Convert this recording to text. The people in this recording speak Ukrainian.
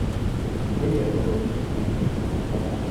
Ви є головним свідком.